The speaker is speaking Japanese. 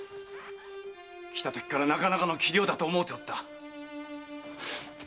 来たときからなかなかの器量だと思うておった。